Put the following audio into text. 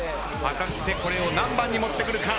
果たしてこれを何番に持ってくるか？